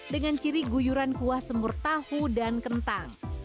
dengan ciri guyuran kuah semur tahu dan kentang